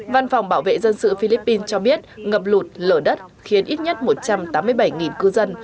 văn phòng bảo vệ dân sự philippines cho biết ngập lụt lở đất khiến ít nhất một trăm tám mươi bảy cư dân